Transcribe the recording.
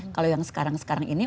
kalau yang sekarang sekarang ini